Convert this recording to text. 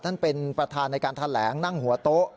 ท่านประธานเป็นประธานในการแถลงนั่งหัวโต๊ะ